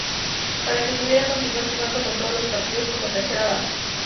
Para que pudiera continuar jugando todos los partidos como tercera base.